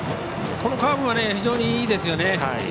このカーブが非常にいいですよね。